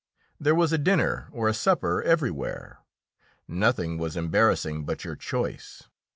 There was a dinner or a supper everywhere; nothing was embarrassing but your choice.